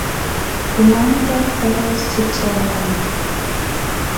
Brenda fails to turn it off.